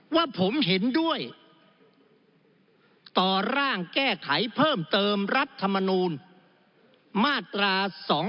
ว่าผมเห็นด้วยต่อร่างแก้ไขเพิ่มเติมรัฐมนูลมาตรา๒๕๖